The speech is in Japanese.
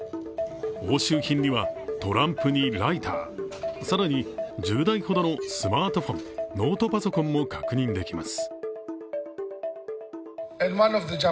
押収品にはトランプにライター、更に１０台ほどのスマートフォン、ノートパソコンも確認できます。